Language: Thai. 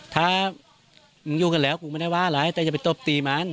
ถ้ามึงอยู่กันแล้วกูไม่ได้ว่าอะไรแต่จะไปตบตีมัน